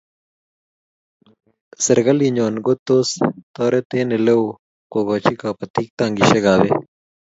Serikalinyo ko tos taret eng' ole oo kokoch kabatik tankishek ab peek